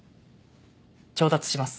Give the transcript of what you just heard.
調達します。